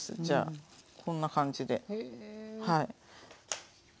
じゃあこんな感じではい。